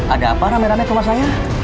ada apa rame rame sama saya